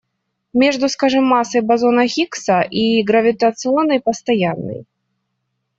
Между, скажем, массой бозона Хиггса и гравитационной постоянной.